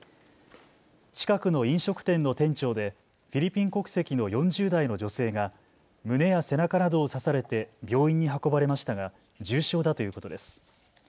近くの飲食店の店長でフィリピン国籍の４０代の女性が胸や背中などを刺されて病院に運ばれましたが重傷だということです。